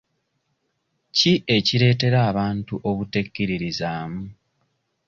Ki ekireetera abantu obutekkiririzaamu?